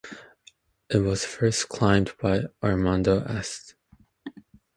It was first climbed by Armando Aste.